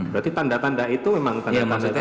berarti tanda tanda itu memang